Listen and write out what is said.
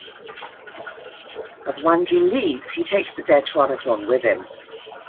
As Gwangi leaves, he takes the dead Pteranodon with him.